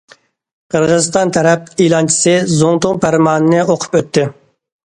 قىرغىزىستان تەرەپ ئېلانچىسى زۇڭتۇڭ پەرمانىنى ئوقۇپ ئۆتتى.